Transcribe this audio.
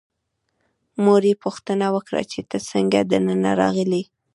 مور یې پوښتنه وکړه چې ته څنګه دننه راغلې.